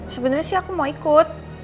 sebenarnya sih aku mau ikut